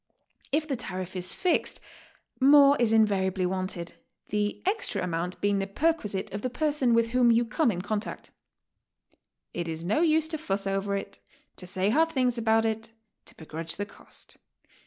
If the tariff is fixed, more is invariably wanted, the exfra amount being the perquisite of the person with whom you come in contact. It is no use to fus s over it, to say hard things about it, to begrudge the cost.